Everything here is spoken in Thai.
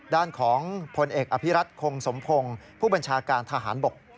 ด้านของพลเอกอภิรัตคงสมพงศ์ผู้บัญชาการทหารบก